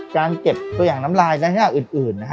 การเก็บตัวอย่างน้ำลายในหน้าอื่น